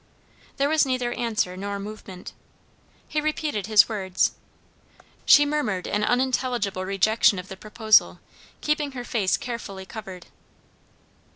There was neither answer nor movement. He repeated his words. She murmured an unintelligible rejection of the proposal, keeping her face carefully covered.